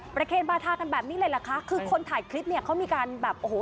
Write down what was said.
เคนบาธากันแบบนี้เลยเหรอคะคือคนถ่ายคลิปเนี่ยเขามีการแบบโอ้โห